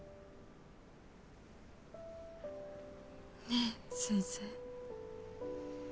ねえ先生。